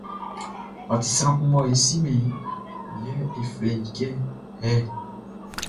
Ɔ ti sran kun mɔ e simɛn iʼn, yɛ e flɛ i kɛ hey.